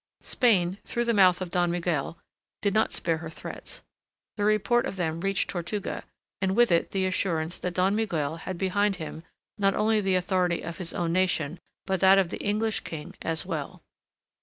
Spain, through the mouth of Don Miguel, did not spare her threats. The report of them reached Tortuga, and with it the assurance that Don Miguel had behind him not only the authority of his own nation, but that of the English King as well.